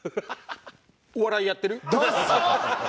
お笑いやってる？